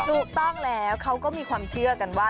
ถูกต้องแล้วเขาก็มีความเชื่อกันว่า